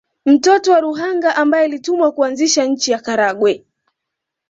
Mtoto wa Ruhanga ambaye alitumwa kuanzisha nchi ya Karagwe